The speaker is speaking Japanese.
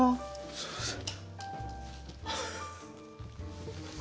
すみません。